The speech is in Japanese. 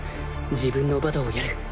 自分のバドをやる